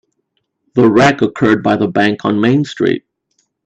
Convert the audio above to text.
The wreck occurred by the bank on Main Street.